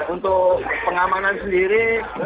untuk pengamanan sendiri